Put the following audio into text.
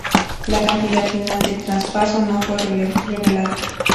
La cantidad final del traspaso no fue revelada.